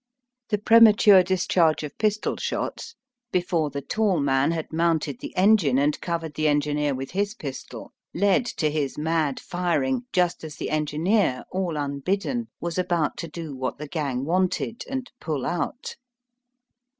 The pre mature discharge of pistol shots before the tall man had mounted the engine and covered the engineer with his pistol, led to his mad firing just as the engineer, all unbidden, was about to do what the gang wanted, and '^ pull out."